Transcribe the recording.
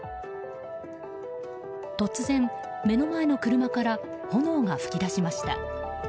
突然、目の前の車から炎が噴き出しました。